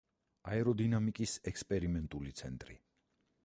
აეროდინამიკის ექსპერიმენტული ცენტრი.